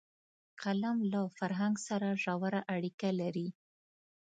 قلم له فرهنګ سره ژوره اړیکه لري